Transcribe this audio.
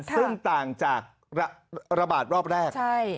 ซึ่งต่างจากระบาดรอบแรก